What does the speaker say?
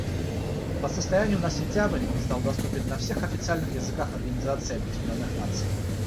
По состоянию на сентябрь он стал доступен на всех официальных языках Организации Объединенных Наций.